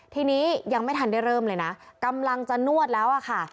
ทีนี้ยังไม่ทันได้เริ่มเลยนะกำลังจะนวดแล้วอะค่ะ